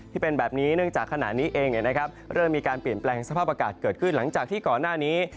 ที่เป็นแบบนี้เนื่องจากขณะนี้เองเริ่มมีการเปลี่ยนแปลงสภาพอากาศเกิดขึ้นหลังจากที่ก่อนหน้านี้